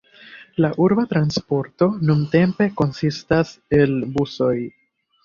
La urba transporto nuntempe konsistas el busoj.